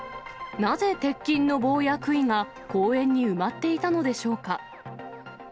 なぜ鉄筋の棒やくいが公園に埋まっていたのでしょうか。